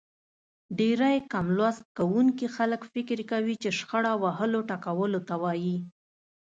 ډېری کم لوست کوونکي خلک فکر کوي چې شخړه وهلو ټکولو ته وايي.